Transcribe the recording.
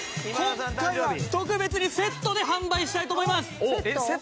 今回は特別にセットで販売したいと思います。